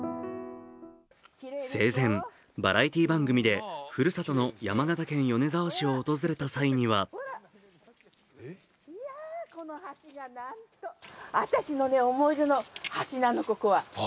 生前、バラエティー番組でふるさとの山形県米沢市を訪れた際には私の思い出の橋なの、ここは。